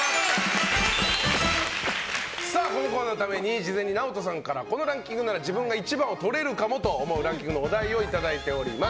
このコーナーのために事前にＮＡＯＴＯさんからこのランキングなら自分が１番をとれるかもと思うランキングのお題をいただいております。